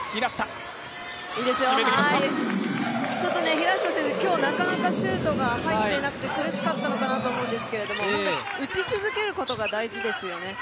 平下選手、今日なかなかシュートが入っていなくて苦しかったのかなと思うんですけど、打ち続けることが大事ですよね。